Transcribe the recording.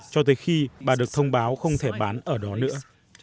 cho tới khi bà được thông báo không thể bán ở đó nữa